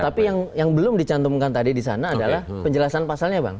tapi yang belum dicantumkan tadi di sana adalah penjelasan pasalnya bang